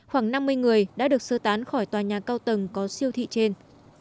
khoảng năm mươi người đã được sơ tán khỏi tòa nhà cao tầng có siêu thị trên